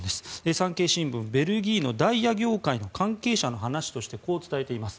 産経新聞、ベルギーのダイヤ業界の関係者の話として、こう伝えています。